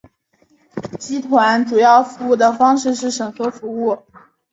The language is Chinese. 集团的主要服务方式是由专业审核员提供与行业标准或客户特定要求相关的审核服务。